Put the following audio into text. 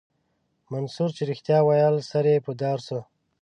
منصور چې رښتيا ويل سر يې په دار سو.